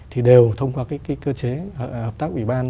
thì đều thông qua cái cơ chế hợp tác ủy ban